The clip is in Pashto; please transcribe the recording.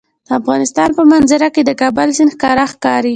د افغانستان په منظره کې د کابل سیند ښکاره ښکاري.